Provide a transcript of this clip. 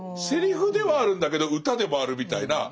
セリフではあるんだけど歌でもあるみたいな。